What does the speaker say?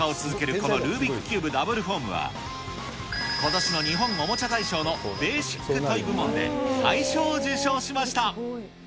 このルービックキューブダブルフォームは、ことしの日本おもちゃ大賞のベーシック・トイ部門で大賞を受賞しました。